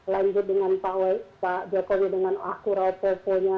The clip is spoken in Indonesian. lanjut dengan pak jokowi dengan akurat pokoknya